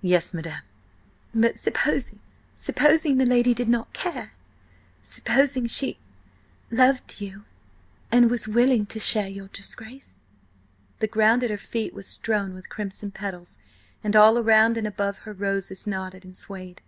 "Yes, madam." "But supposing–supposing the lady did not care? Supposing she–loved you–and was willing to share your disgrace?" The ground at her feet was strewn with crimson petals, and all around and above her roses nodded and swayed.